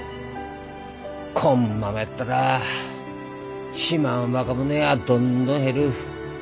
こんままやったら島ん若者やどんどん減る。